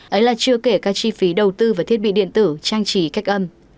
ấy là chưa kể các chi phí đầu tư và thiết bị điện tử trang trí cách âm